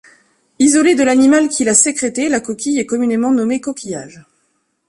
Isolée de l'animal qui l'a sécrétée, la coquille est communément nommée coquillage.